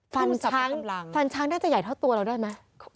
ฟันช้างฟันช้างน่าจะใหญ่เท่าตัวเราได้ไหม